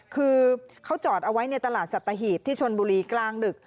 คือเขาจอดเอาไว้ในตลาดสัตหีบที่ชนบุรีกลางดึก